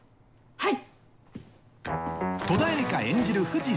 はい！